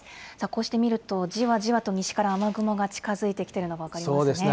こうして見ると、じわじわと西から雨雲が近づいてきているのが分かりますね。